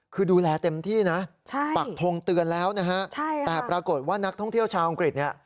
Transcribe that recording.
คือดูแลเต็มที่นะปักทงเตือนแล้วนะฮะแต่ปรากฏว่านักท่องเที่ยวชาวอังกฤษเนี่ย